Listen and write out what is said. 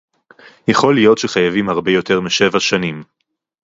יכול להיות שחייבים הרבה יותר משבע שנים